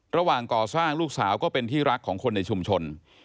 ระหว่างก่อสร้างลูกสาวก็เป็นที่รักของคนในชุมชน